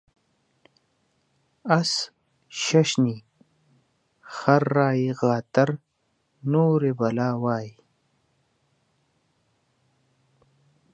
اس ششني ، خر رایي غاتر نوري بلا وایي.